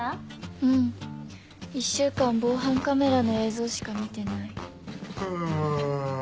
うん１週間防犯カメラの映像しか見てない。